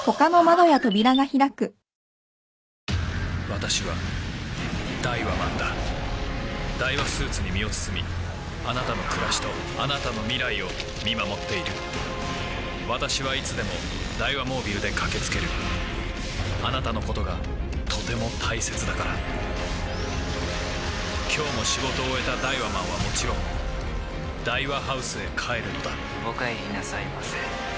私はダイワマンだダイワスーツに身を包みあなたの暮らしとあなたの未来を見守っている私はいつでもダイワモービルで駆け付けるあなたのことがとても大切だから今日も仕事を終えたダイワマンはもちろんダイワハウスへ帰るのだお帰りなさいませ。